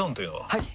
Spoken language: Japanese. はい！